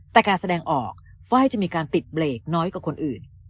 แต่การแสดงออกไฟล์จะมีการติดเบรกน้อยกว่าคนอื่น